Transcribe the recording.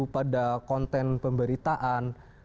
pada konten pemberitaan